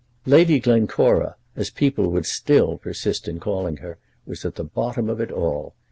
Lady Glencora, as people would still persist in calling her, was at the bottom of it all.